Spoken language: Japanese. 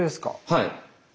はい。